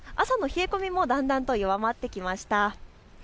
朝の冷え込みもだんだんと弱まってきました。